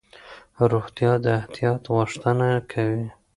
روغتیا د احتیاط غوښتنه کوي.